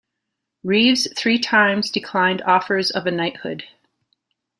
Reeves three times declined offers of a knighthood.